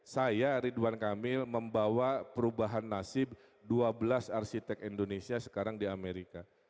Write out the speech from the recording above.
saya ridwan kamil membawa perubahan nasib dua belas arsitek indonesia sekarang di amerika